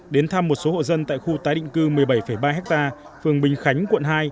đến thăm một số hộ dân tại khu tái định cư một mươi bảy ba ha phường bình khánh quận hai